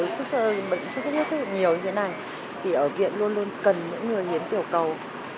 nếu bệnh nhân sử dụng nhiều như thế này thì ở viện luôn luôn cần mỗi người hiến tiểu cầu